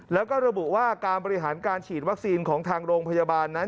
แล้วก็ระบุว่าการบริหารการฉีดวัคซีนของทางโรงพยาบาลนั้น